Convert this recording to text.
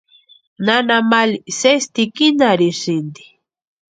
Nana Mali sesi tikinarhisïnti.